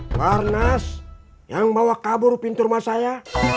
barnas yang bawa kabur pintu rumah saya